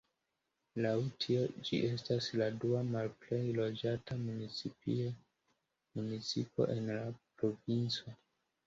Laŭ tio ĝi estas la dua malplej loĝata municipo en la provinco.